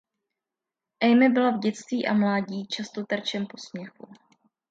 Amy byla v dětství a mládí často terčem posměchu.